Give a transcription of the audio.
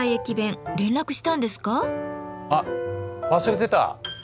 あっ忘れてた！